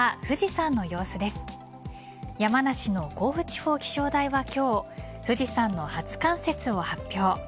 山梨の甲府地方気象台は今日富士山の初冠雪を発表。